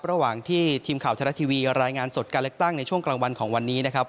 ระหว่างที่ทีมข่าวไทยรัฐทีวีรายงานสดการเลือกตั้งในช่วงกลางวันของวันนี้นะครับ